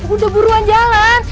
udah buruan jalan